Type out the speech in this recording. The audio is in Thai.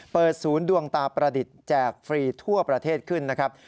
เปิดศูนย์ดวงตาประดิษฐ์แจกฟรีทั่วประเทศขึ้นนะครับ